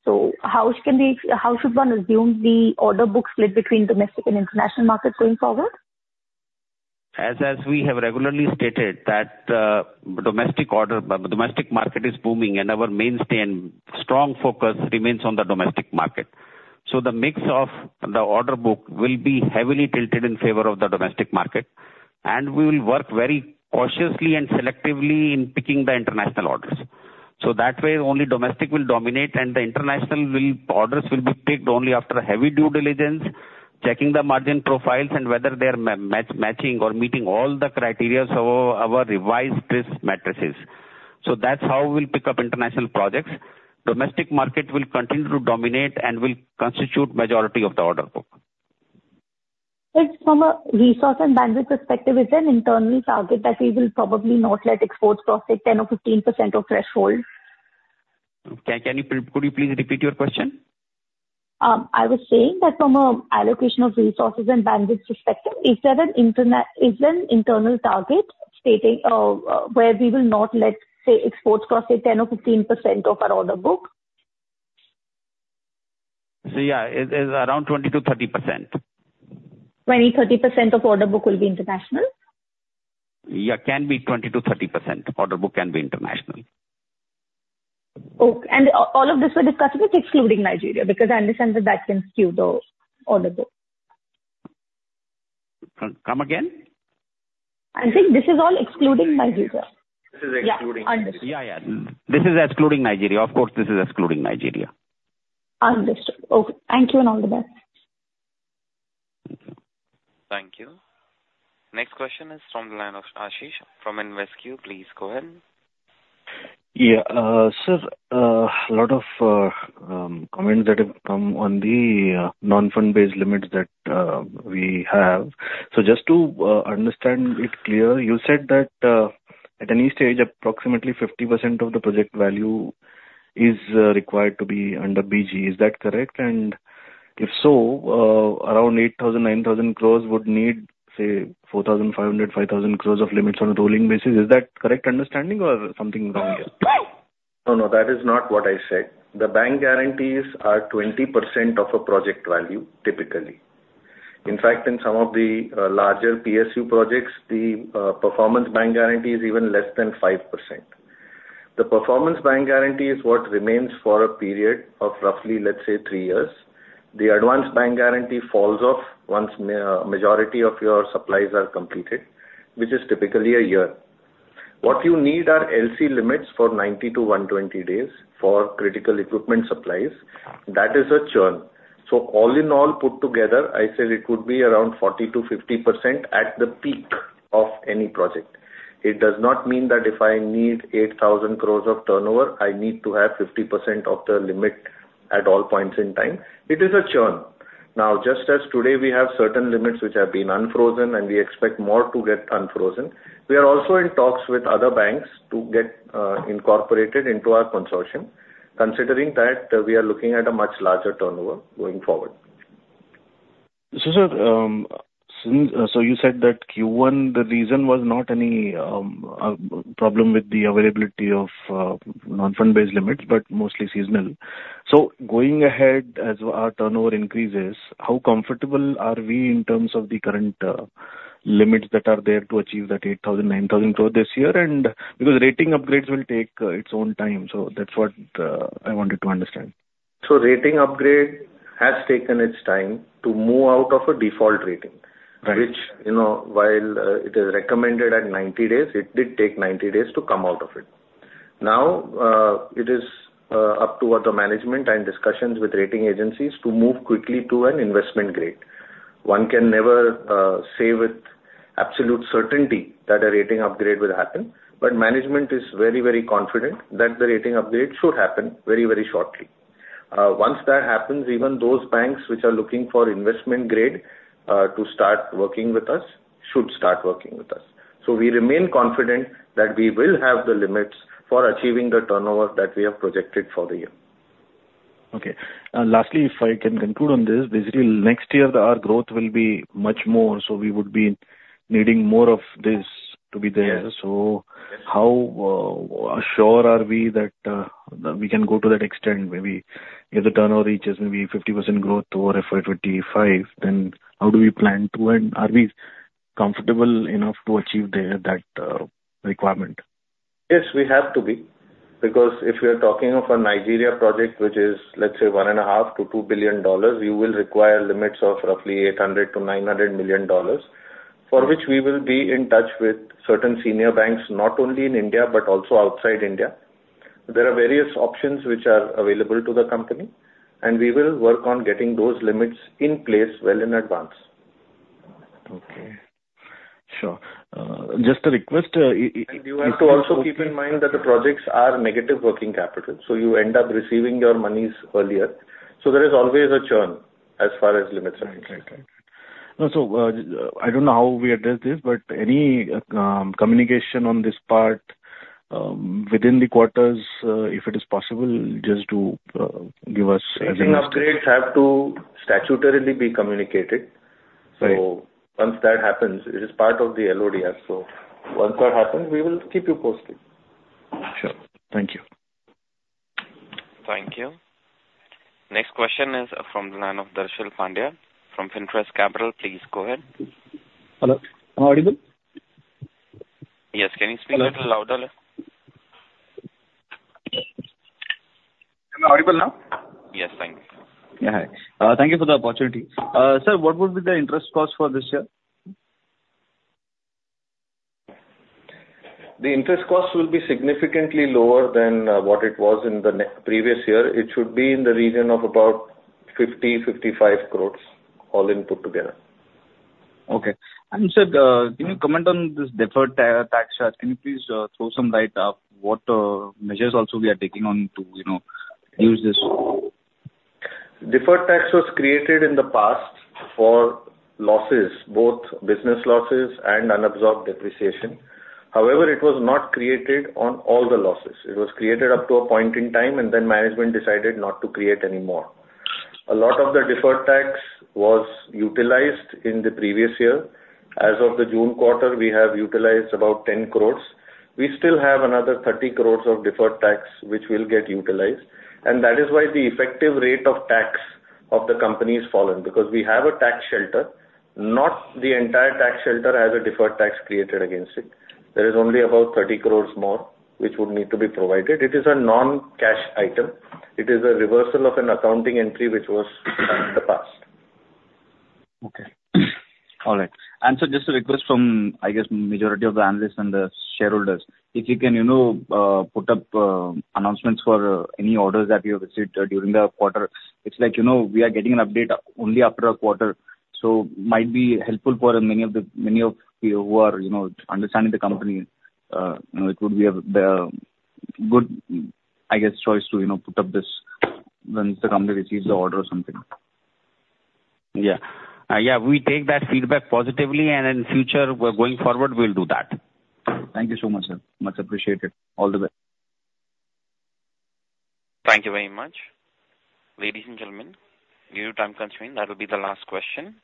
So, how can we, how should one assume the order book split between domestic and international markets going forward? As we have regularly stated that domestic market is booming, and our mainstay and strong focus remains on the domestic market. So the mix of the order book will be heavily tilted in favor of the domestic market, and we will work very cautiously and selectively in picking the international orders. So that way, only domestic will dominate, and the international orders will be picked only after a heavy due diligence, checking the margin profiles and whether they're matching or meeting all the criteria of our revised risk matrices. So that's how we'll pick up international projects. Domestic market will continue to dominate and will constitute majority of the order book. From a resource and bandwidth perspective, is there an internal target that we will probably not let exports cross, like, 10 or 15% of threshold? Could you please repeat your question? I was saying that from an allocation of resources and bandwidth perspective, is there an internal target stating where we will not let, say, exports cross, say, 10 or 15% of our order book? Yeah, it, it's around 20%-30%. 20%-30% of order book will be international? Yeah, can be 20%-30% order book can be international. Oh, and all of this we're discussing is excluding Nigeria, because I understand that that can skew the order book. Come, come again? I think this is all excluding Nigeria. This is excluding Nigeria. Yeah, yeah. This is excluding Nigeria. Of course, this is excluding Nigeria. Understood. Okay. Thank you, and all the best. Thank you. Next question is from the line of Aashish from InvesQ. Please go ahead. Yeah. Sir, a lot of comments that have come on the non-fund based limits that we have. So just to understand it clear, you said that at any stage, approximately 50% of the project value is required to be under BG. Is that correct? And if so, around 8,000-9,000 crores would need, say, 4,500-5,000 crores of limits on a rolling basis. Is that correct understanding or something wrong here? No, no, that is not what I said. The bank guarantees are 20% of a project value, typically. In fact, in some of the larger PSU projects, the performance bank guarantee is even less than 5%. The performance bank guarantee is what remains for a period of roughly, let's say, 3 years. The advance bank guarantee falls off once majority of your supplies are completed, which is typically a year. What you need are LC limits for 90 to 120 days for critical equipment supplies. That is a churn. So all in all, put together, I said it could be around 40%-50% at the peak of any project. It does not mean that if I need 8,000 crore of turnover, I need to have 50% of the limit at all points in time. It is a churn. Now, just as today we have certain limits which have been unfrozen and we expect more to get unfrozen, we are also in talks with other banks to get incorporated into our consortium, considering that we are looking at a much larger turnover going forward.... So, sir, since, so you said that Q1, the reason was not any problem with the availability of non-fund based limits, but mostly seasonal. So going ahead, as our turnover increases, how comfortable are we in terms of the current limits that are there to achieve that 8,000-9,000 growth this year? And because rating upgrades will take its own time. So that's what I wanted to understand. Rating upgrade has taken its time to move out of a default rating. Right. Which, you know, while it is recommended at 90 days, it did take 90 days to come out of it. Now, it is up to what the management and discussions with rating agencies to move quickly to an investment grade. One can never say with absolute certainty that a rating upgrade will happen, but management is very, very confident that the rating upgrade should happen very, very shortly. Once that happens, even those banks which are looking for investment grade to start working with us, should start working with us. So we remain confident that we will have the limits for achieving the turnover that we have projected for the year. Okay. And lastly, if I can conclude on this, basically, next year, our growth will be much more, so we would be needing more of this to be there. Yes. So how sure are we that we can go to that extent? Maybe if the turnover reaches maybe 50% growth over FY 2025, then how do we plan to, and are we comfortable enough to achieve the, that requirement? Yes, we have to be, because if we are talking of a Nigeria project, which is, let's say, $1.5 billion-$2 billion, you will require limits of roughly $800 million-$900 million, for which we will be in touch with certain senior banks, not only in India but also outside India. There are various options which are available to the company, and we will work on getting those limits in place well in advance. Okay. Sure. Just a request, You have to also keep in mind that the projects are negative working capital, so you end up receiving your monies earlier. There is always a churn as far as limits are concerned. Right. Right. No, so, I don't know how we address this, but any communication on this part, within the quarters, if it is possible, just to give us at least- Rating upgrades have to statutorily be communicated. Right. Once that happens, it is part of the LODR. Once that happens, we will keep you posted. Sure. Thank you. Thank you. Next question is from the line of Darshil Pandya from Finterest Capital. Please go ahead. Hello? Am I audible? Yes. Can you speak a little louder? Am I audible now? Yes, thank you. Yeah, hi. Thank you for the opportunity. Sir, what would be the interest cost for this year? The interest cost will be significantly lower than what it was in the previous year. It should be in the region of about 50-55 crore, all in put together. Okay. Sir, can you comment on this deferred tax charge? Can you please throw some light on what measures also we are taking on to, you know, use this? Deferred tax was created in the past for losses, both business losses and unabsorbed depreciation. However, it was not created on all the losses. It was created up to a point in time, and then management decided not to create any more. A lot of the deferred tax was utilized in the previous year. As of the June quarter, we have utilized about 10 crore. We still have another 30 crore of deferred tax, which will get utilized, and that is why the effective rate of tax of the company has fallen, because we have a tax shelter, not the entire tax shelter, has a deferred tax created against it. There is only about 30 crore more, which would need to be provided. It is a non-cash item. It is a reversal of an accounting entry which was done in the past. Okay. All right. And so just a request from, I guess, majority of the analysts and the shareholders, if you can, you know, put up announcements for any orders that you received during the quarter. It's like, you know, we are getting an update only after a quarter, so might be helpful for many of the-many of you who are, you know, understanding the company. You know, it would be a good, I guess, choice to, you know, put up this once the company receives the order or something. Yeah. Yeah, we take that feedback positively, and in future, we're going forward, we'll do that. Thank you so much, sir. Much appreciated. All the best. Thank you very much. Ladies and gentlemen, due to time constraint, that will be the last question.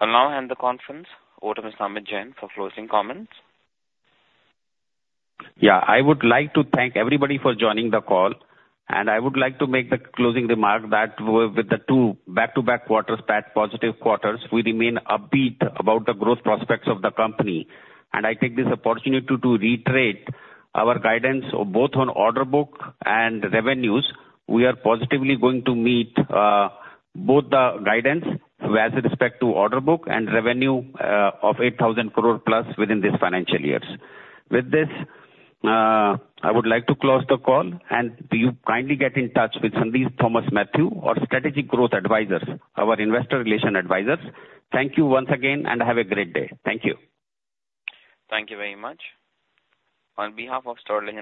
I now hand the conference over to Amit Jain for closing comments. Yeah, I would like to thank everybody for joining the call, and I would like to make the closing remark that with the two back-to-back quarters, that positive quarters, we remain upbeat about the growth prospects of the company. I take this opportunity to reiterate our guidance of both on order book and revenues. We are positively going to meet both the guidance as respect to order book and revenue of 8,000 crore plus within these financial years. With this, I would like to close the call, and please kindly get in touch with Sandeep Thomas Mathew, our Strategic Growth Advisors, our Investor Relations Advisors. Thank you once again, and have a great day. Thank you. Thank you very much. On behalf of Sterling...